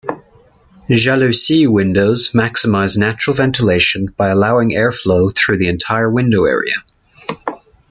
Jalousie windows maximise natural ventilation by allowing airflow through the entire window area.